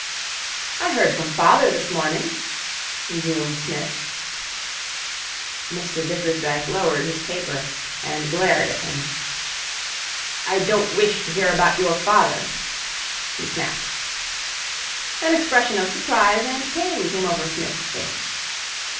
'I heard from father this morning,' resumed Psmith. Mr Bickersdyke lowered his paper and glared at him. 'I don't wish to hear about your father,' he snapped. An expression of surprise and pain came over Psmith's face.